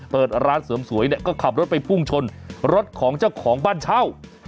เปิดร้านเสริมสวยเนี่ยก็ขับรถไปพุ่งชนรถของเจ้าของบ้านเช่า